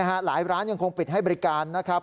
หลายร้านยังคงปิดให้บริการนะครับ